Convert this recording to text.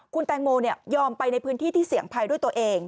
คุณแตงโมยอมไปในพื้นที่ที่เสี่ยงภัยด้วยตัวเอง